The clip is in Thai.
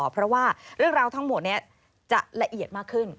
เพราะว่าเรื่องราวทั้งหมดนี้จะละเอียดมากขึ้น